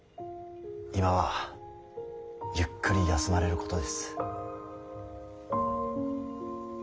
今はゆっくり休まれることです。